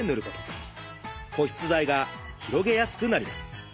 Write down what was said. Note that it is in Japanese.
保湿剤が広げやすくなります。